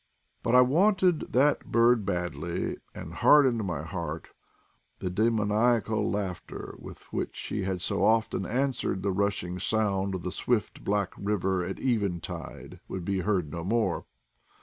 But I wanted that bird badly, and hardened my heart ; the '' demonia cal laughter" with which he had so often answered the rushing sound of the swift black river at even tide would be heard no more.